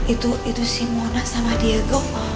itu itu si mona sama diego